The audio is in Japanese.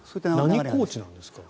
何コーチなんですか？